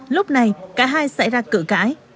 lúc này cả hai xảy ra cự cãi